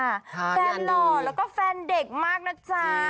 แฟนหล่อแล้วก็แฟนเด็กมากนะจ๊ะ